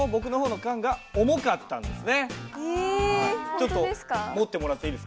ちょっと持ってもらっていいですか？